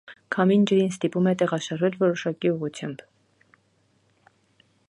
Քամին ջրին ստիպում է տեղաշարժվել որոշակի ուղղությամբ։